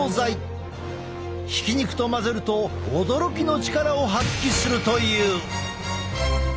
ひき肉と混ぜると驚きの力を発揮するという！